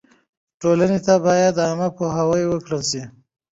ټولنې ته باید عامه پوهاوی ورکړل سي.